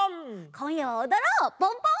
こんやはおどろうポンポン！